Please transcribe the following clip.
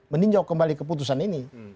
meninjau kembali keputusan ini